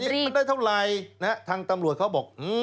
นี่มันได้เท่าไรทางตำรวจเขาบอก